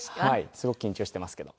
すごく緊張していますけど。